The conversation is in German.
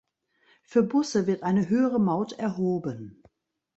Für Busse wird eine höhere Maut erhoben.